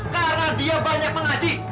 karena dia banyak mengaji